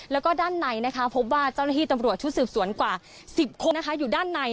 แล้วก็ด้านในพบว่าเจ้าหน้าที่ตำรวจชุดสืบสวนกว่า๑๐คนอยู่ด้านใน